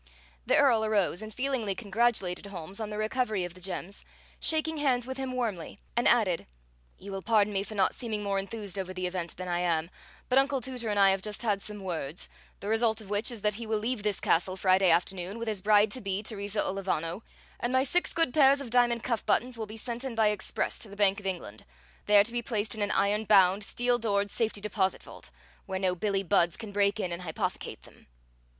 The Earl arose and feelingly congratulated Holmes on the recovery of the gems, shaking hands with him warmly, and added: "You will pardon me for not seeming more enthused over the event than I am, but Uncle Tooter and I have just had some words, the result of which is that he will leave this castle Friday afternoon with his bride to be, Teresa Olivano; and my six good pairs of diamond cuff buttons will be sent in by express to the Bank of England, there to be placed in an iron bound, steel doored safety deposit vault, where no Billie Budds can break in and hypothecate them!"